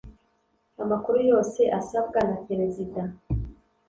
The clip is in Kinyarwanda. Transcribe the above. amakuru yose asabwa na Perezida